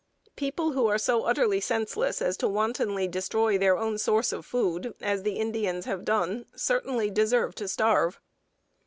People who are so utterly senseless as to wantonly destroy their own source of food, as the Indians have done, certainly deserve to starve.